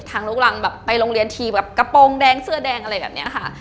ลูกรังแบบไปโรงเรียนทีแบบกระโปรงแดงเสื้อแดงอะไรแบบนี้ค่ะ